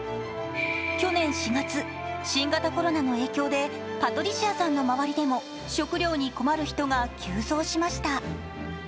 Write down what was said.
去年４月、新型コロナの影響でパトリシアさんの周りでも食料に困る人が急増しました。